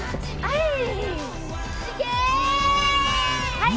はい！